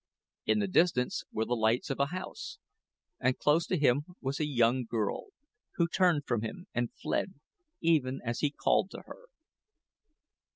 In the distance were the lights of a house, and close to him was a young girl, who turned from him and fled, even as he called to her.